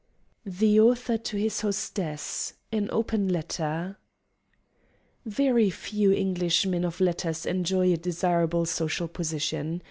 The Author to His Hostess (AN OPEN LETTER) [Very few English men of letters enjoy a desirable social position.